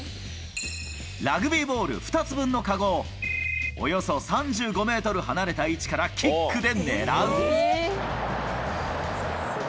ラグビーボール２つ分の籠をおよそ３５メートル離れた位置からキックで狙う。